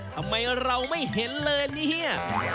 ทำไมเราไม่เห็นเลยเนี่ย